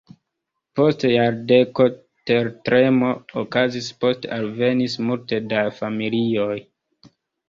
Post jardeko tertremo okazis, poste alvenis multe da familioj.